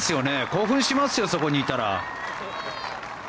興奮しますよ、そこにいたら。